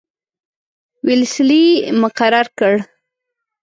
ویلسلي مقرر کړ.